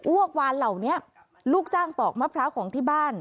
วกวานเหล่านี้ลูกจ้างปอกมะพร้าวของที่บ้าน